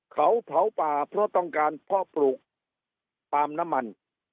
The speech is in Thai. เขาเผาป่าเพราะต้องการเพาะปลูกปาล์มน้ำมัน